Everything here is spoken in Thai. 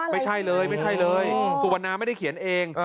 ไม่ใช่เลยสุวรรณาไม่ได้เขียนเอง